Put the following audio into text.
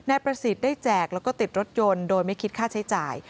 นายประสิทธิ์ได้แจกแล้วก็ติดรถยนต์โดยไม่คิดค่าใช้จ่าย